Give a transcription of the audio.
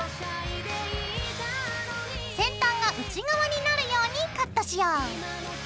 先端が内側になるようにカットしよう。